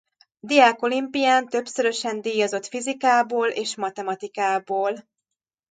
Diák Olimpián többszörösen díjazott fizikából és matematikából.